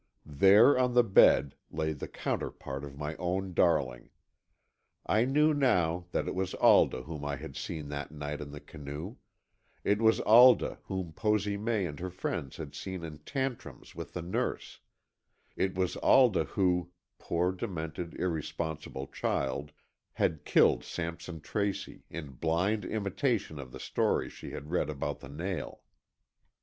There on the bed lay the counterpart of my own darling. I knew now that it was Alda whom I had seen that night in the canoe; it was Alda whom Posy May and her friends had seen in tantrums with the nurse, it was Alda who—poor demented, irresponsible child—had killed Sampson Tracy, in blind imitation of the story she had read about the nail.